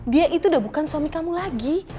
dia itu udah bukan suami kamu lagi